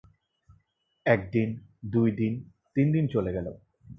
এক দিন দুই দিন তিনদিন চলে গেল।